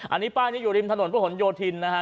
อันนี้ป้ายนี้อยู่ริมถนนประหลโยธินนะฮะ